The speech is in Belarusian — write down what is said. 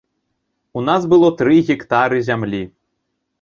У нас было тры гектары зямлі.